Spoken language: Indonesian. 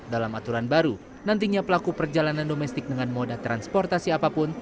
dalam aturan baru nantinya pelaku perjalanan domestik dengan moda transportasi apapun